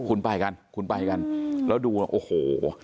คุณไปกันคุณไปกันแล้วดูโอ้โห